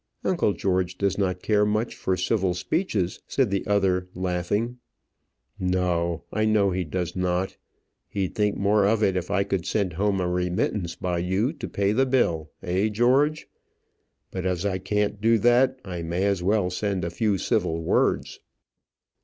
"Uncle George does not care much for civil speeches," said the other, laughing. "No, I know he does not; he'd think more of it if I could send home a remittance by you to pay the bill; eh, George? But as I can't do that, I may as well send a few civil words."